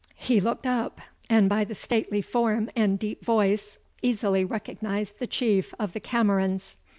He looked up, and, by the stately form and deep voice, easily recognised the Chief of the Camerons.